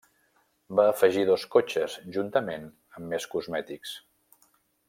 Va afegir dos cotxes, juntament amb més cosmètics.